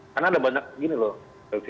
karena ada banyak gini loh